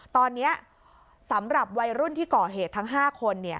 ตอนนี้สำหรับวัยรุ่นที่ก่อเหตุทั้ง๕คน